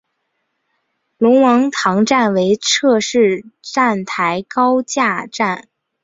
龙王塘站为侧式站台高架站。